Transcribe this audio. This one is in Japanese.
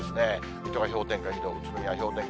水戸が氷点下２度、宇都宮氷点下